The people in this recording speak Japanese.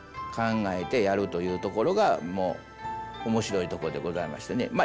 考えてやるというところがもう面白いとこでございましてね。